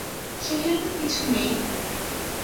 সেখানে তো কিছু নেই।